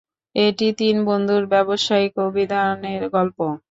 এটি তিন বন্ধুর ব্যবসায়িক অভিযানের গল্প।